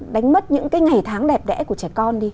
đánh mất những cái ngày tháng đẹp đẽ của trẻ con đi